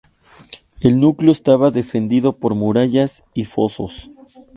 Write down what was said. El núcleo estaba defendido por murallas y fosos.